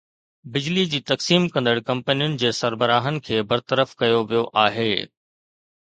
بجلي جي تقسيم ڪندڙ ڪمپنين جي سربراهن کي برطرف ڪيو ويو آهي